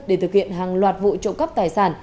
để thực hiện hàng loạt vụ trộm cắp tài sản